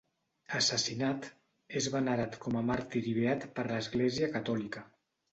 Assassinat, és venerat com a màrtir i beat per l'Església catòlica.